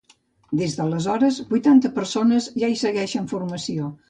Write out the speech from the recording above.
Des d’aleshores vuitanta persones ja hi segueixen formació.